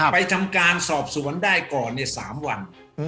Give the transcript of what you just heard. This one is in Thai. ทำการสอบสวนได้ก่อน๓วัน